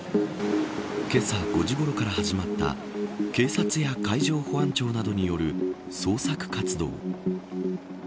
けさ５時ごろから始まった警察や海上保安庁などによる捜索活動。